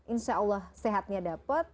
insya allah sehatnya dapat